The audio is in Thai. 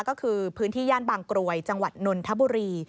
ก็คือพื้นที่ย่านบางกรวยจังหวัดนนทบุรี